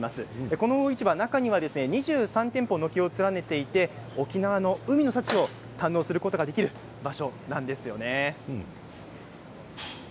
この魚市場、中には２３店舗、軒を連ねていて沖縄の海の幸をたんのうすることができる場所なんですよね。